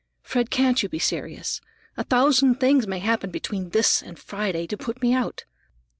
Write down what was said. "Fred, can't you be serious? A thousand things may happen between this and Friday to put me out.